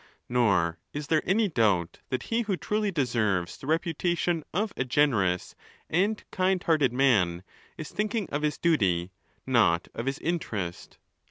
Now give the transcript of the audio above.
Nor is there any doubt that he who truly deserves the repu tation of a generous and kind hearted man, is thinking of his duty, not of his interest.